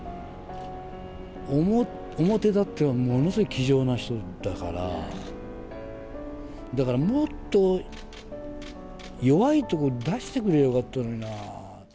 表立ってはものすごい気丈な人だから、だからもっと弱いところ出してくれりゃよかったのにな。